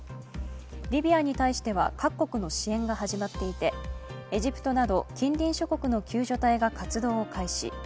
リビアに対しては各国の支援が始まっていて、エジプトなど近隣諸国の救助隊が活動を開始。